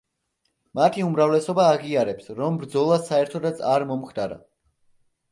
მათი უმრავლესობა აღიარებს, რომ ბრძოლა საერთოდაც არ მომხდარა.